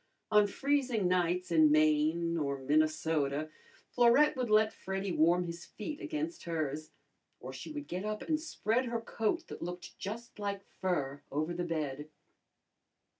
On freezing nights in Maine or Minnesota, Florette would let Freddy warm his feet against hers, or she would get up and spread her coat that looked just like fur over the bed.